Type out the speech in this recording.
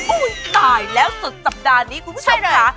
ตายแล้วสุดสัปดาห์นี้คุณผู้ชมค่ะ